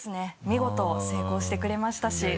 見事成功してくれましたし。